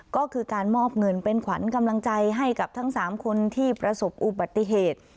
ก็คือการมอบเงินเป็นขวัญกำลังใจให้กับทั้ง๓คนที่ประสบอุบัติเหตุ